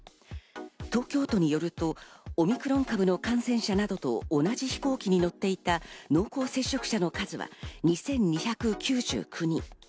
東京都によると、オミクロン株の感染者などと同じ飛行機に乗っていた濃厚接触者の数は２２９９人。